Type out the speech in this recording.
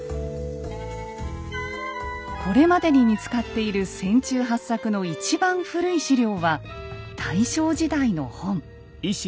これまでに見つかっている船中八策の一番古い史料は大正時代の本。